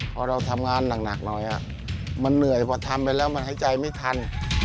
พอเราทำงานหนักหน่อยมันเหนื่อยพอทำไปแล้วมันหายใจไม่ทัน